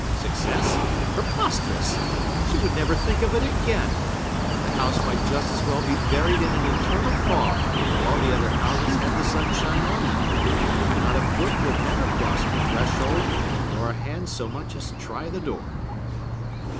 Success? Preposterous! She would never think of it again! The house might just as well be buried in an eternal fog while all other houses had the sunshine on them; for not a foot would ever cross the threshold, nor a hand so much as try the door!